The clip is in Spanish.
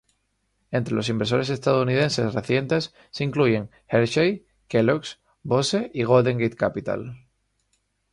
Entre los inversores estadounidenses recientes se incluyen Hershey, Kellogg's, Bose y Golden Gate Capital.